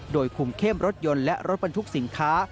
โดยคุมเข้มรถยนต์และรถบรรทุกสินค้า